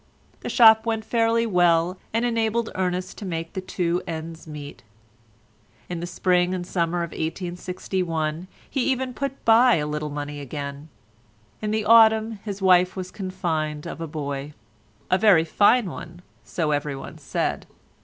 The shop went fairly well, and enabled Ernest to make the two ends meet. In the spring and summer of 1861 he even put by a little money again. In the autumn his wife was confined of a boy—a very fine one, so everyone said.